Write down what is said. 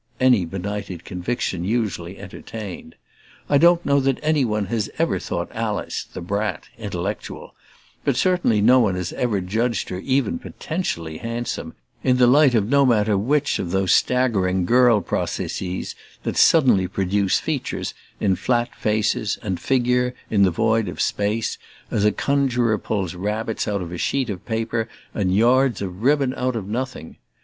any benighted conviction usually entertained. I don't know that any one has ever thought Alice, the brat, intellectual; but certainly no one has ever judged her even potentially handsome, in the light of no matter which of those staggering girl processes that suddenly produce features, in flat faces, and "figure," in the void of space, as a conjurer pulls rabbits out of a sheet of paper and yards of ribbon out of nothing.